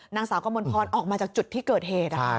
นางสาวกมลพรออกมาจากจุดที่เกิดเหตุ